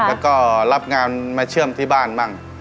แล้วก็รับงานมาเชื่อมที่บ้านบ้าง